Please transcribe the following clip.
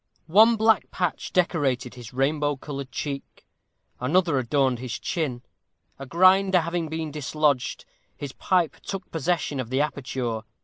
One black patch decorated his rainbow colored cheek; another adorned his chin; a grinder having been dislodged, his pipe took possession of the aperture.